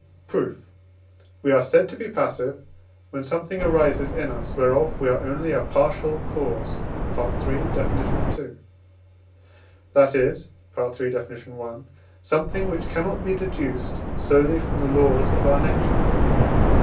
Proof. We are said to be passive, when something arises in us, whereof we are only a partial cause (III. Def. ii.), that is (III. Def. i.), something which cannot be deduced solely from the laws of our nature.